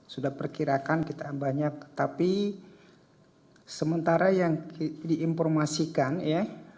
sudah perkirakan kita banyak tapi sementara yang diinformasikan ya